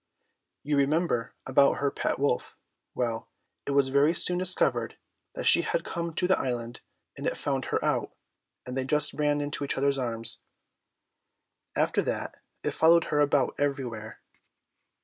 You remember about her pet wolf. Well, it very soon discovered that she had come to the island and it found her out, and they just ran into each other's arms. After that it followed her about everywhere.